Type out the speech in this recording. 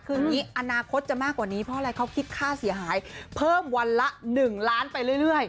คืออย่างนี้อนาคตจะมากกว่านี้เพราะอะไรเขาคิดค่าเสียหายเพิ่มวันละ๑ล้านไปเรื่อย